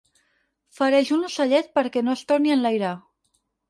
Fereix un ocellet perquè no es torni a enlairar.